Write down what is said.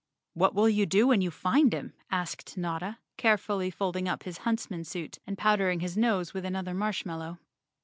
"What will you do when you find him?" asked Notta, carefully folding up his huntsman suit and powdering his nose with another marshmallow.